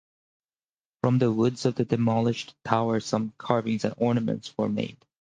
From the wood of the demolished tower some carvings and ornaments were made.